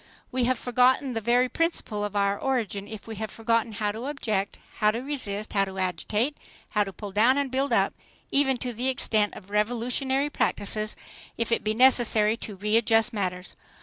We have forgotten the very principle of our origin if we have forgotten how to object, how to resist, how to agitate, how to pull down and build up, even to the extent of revolutionary practices, if it be necessary to readjust matters.